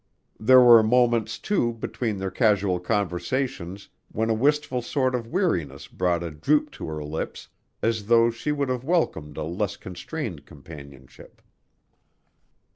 There were moments, too, between their casual conversations when a wistful sort of weariness brought a droop to her lips, as though she would have welcomed a less constrained companionship.